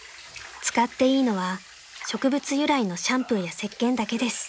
使っていいのは植物由来のシャンプーやせっけんだけです］